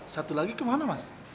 satu lagi kemana mas